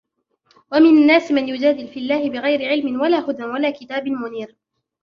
وَمِنَ النَّاسِ مَنْ يُجَادِلُ فِي اللَّهِ بِغَيْرِ عِلْمٍ وَلَا هُدًى وَلَا كِتَابٍ مُنِيرٍ